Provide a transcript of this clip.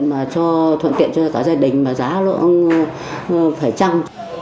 mà cho thuận tiện cho cả gia đình mà giá nó phải trăng